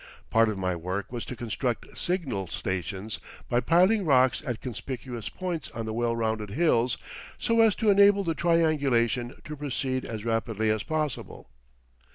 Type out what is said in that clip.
Part of my work was to construct signal stations by piling rocks at conspicuous points on the well rounded hills so as to enable the triangulation to proceed as rapidly as possible.